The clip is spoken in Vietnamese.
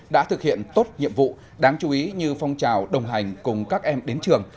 đã thực hiện tốt nhiệm vụ đáng chú ý như phong trào đồng hành cùng các em đến trường